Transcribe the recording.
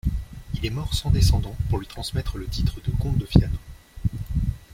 Il est mort sans descendant pour lui transmettre le titre de comte de Fiano.